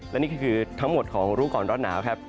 และนี่ก็คือทั้งหมดของรู้ก่อนร้อนหนาวครับ